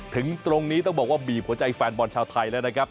ถึงตรงนี้ต้องบอกว่าบีบหัวใจแฟนบอลชาวไทยแล้วนะครับ